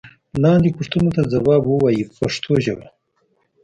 لاندې پوښتنو ته ځواب و وایئ په پښتو ژبه.